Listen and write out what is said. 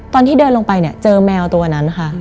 ตอนที่เดินลงไปเนี่ยเจอแมวตัวนั้นค่ะ